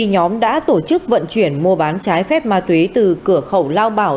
nhóm đã tổ chức vận chuyển mua bán trái phép ma túy từ cửa khẩu lao bảo